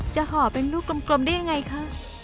จะหอเป็นรูปกลมได้ยังไงคะ